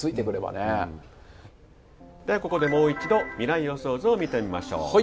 ではここでもう一度未来予想図を見てみましょう。